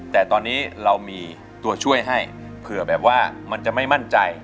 แต่ตอนนี้เรามีตัวช่วยให้เผื่อแบบว่ามันจะไม่มั่นใจ